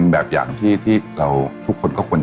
ส่วนความเพียงเราก็ถูกพูดอยู่ตลอดเวลาในเรื่องของความพอเพียง